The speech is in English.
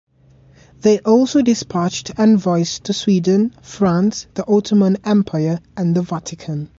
They also dispatched envoys to Sweden, France, the Ottoman Empire, and the Vatican.